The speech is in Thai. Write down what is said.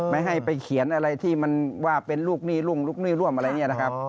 ไม่ให้ไปเขียนอะไรที่มันว่าเป็นลูกหนี้ร่วมอะไร